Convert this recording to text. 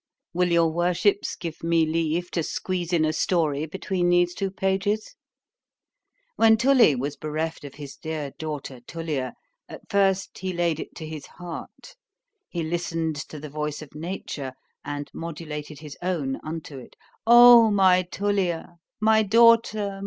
Will your worships give me leave to squeeze in a story between these two pages? When Tully was bereft of his dear daughter Tullia, at first he laid it to his heart,—he listened to the voice of nature, and modulated his own unto it.—O my Tullia! my daughter!